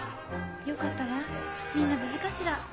よかったわみんな無事かしら？